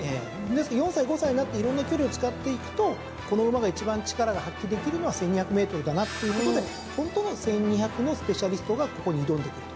ですから４歳５歳になっていろんな距離を使っていくとこの馬が一番力が発揮できるのは１，２００ｍだなっていうことでホントの１，２００のスペシャリストがここに挑んでくると。